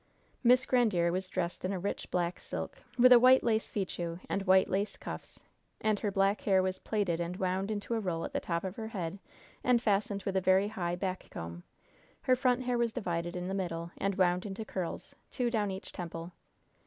Miss Grandiere was dressed in a rich, black silk, with a white lace fichu and white lace cuffs, and her black hair was plaited and wound into a roll at the top of her head and fastened with a very high back comb. Her front hair was divided in the middle and wound into curls, two down each temple.